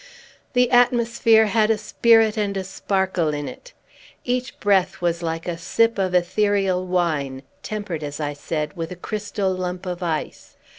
The atmosphere had a spirit and sparkle in it. Each breath was like a sip of ethereal wine, tempered, as I said, with a crystal lump of ice.